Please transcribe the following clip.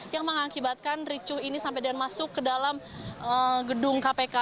yang mengakibatkan ricuh ini sampai dan masuk ke dalam gedung kpk